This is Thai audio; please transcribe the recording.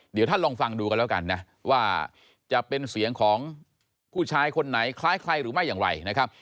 เดี๋ยวท่านลองฟังดูกันแล้วกันนะว่าจะเป็นเสียงของผู้ชายคนไหนคล้ายใครหรือไม่อย่างไรนะครับ